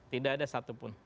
tidak ada satupun